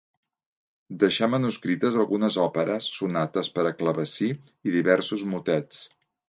Deixà manuscrites algunes òperes, sonates per a clavecí i diversos motets.